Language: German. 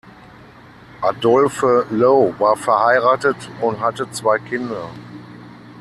Adolphe Low war verheiratet und hatte zwei Kinder.